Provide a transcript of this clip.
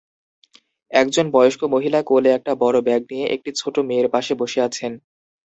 একজন বয়স্ক মহিলা কোলে একটা বড় ব্যাগ নিয়ে একটি ছোট মেয়ের পাশে বসে আছেন।